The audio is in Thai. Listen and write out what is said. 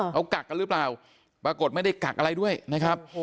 เขากักกันหรือเปล่าปรากฏไม่ได้กักอะไรด้วยนะครับ